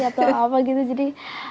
atau apa gitu jadi